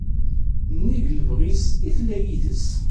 nnig n lebɣi-s i tella yid-s.